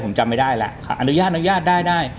ผมจำไม่ได้ละค่ะอนุญาตได้